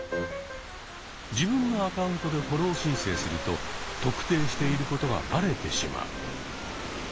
自分のアカウントでフォロー申請すると「特定」していることがバレてしまう。